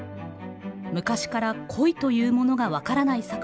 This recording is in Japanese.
昔から恋というものが分からない